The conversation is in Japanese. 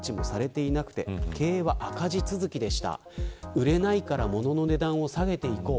売れないから物の値段を下げていこう。